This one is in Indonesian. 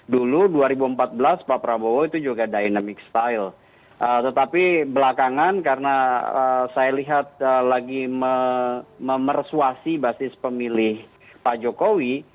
dulu dua ribu empat belas pak prabowo itu juga dynamic style tetapi belakangan karena saya lihat lagi memersuasi basis pemilih pak jokowi